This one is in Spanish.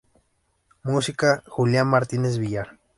Música: Julián Martínez Villar.